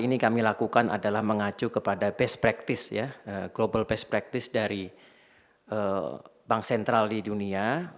ini kami lakukan adalah mengacu kepada best practice ya global best practice dari bank sentral di dunia